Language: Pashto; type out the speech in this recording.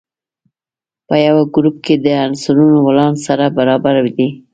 په یوه ګروپ کې د عنصرونو ولانس سره برابر دی.